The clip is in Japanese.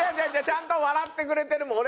ちゃんと笑ってくれてるもん。